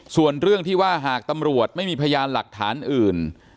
ส่วนเรื่องที่ว่าหากตำรวจไม่มีพยานหลักฐานอื่น